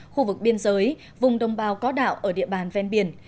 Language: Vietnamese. khu vực biên giới vùng đông bao có đạo ở địa bàn ven biển